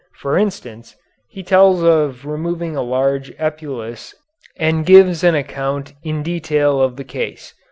For instance, he tells of removing a large epulis and gives an account in detail of the case.